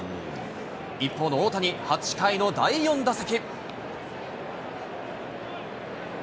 一方の大谷、８回の第４打席。